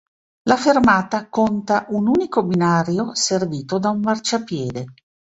La fermata conta un unico binario servito da un marciapiede.